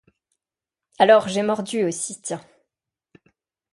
Alors j’ai mordu aussi, tiens !